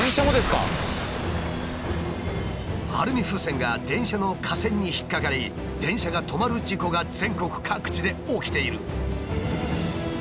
アルミ風船が電車の架線に引っかかり電車が止まる事故が全国各地で起きている。